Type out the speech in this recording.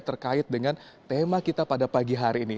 terkait dengan tema kita pada pagi hari ini